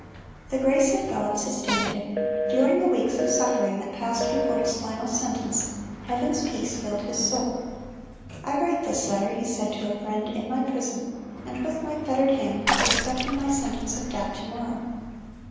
The grace of God sustained him. During the weeks of suffering that passed before his final sentence, heaven's peace filled his soul. "I write this letter," he said to a friend, "in my prison, and with my fettered hand, expecting my sentence of death to morrow....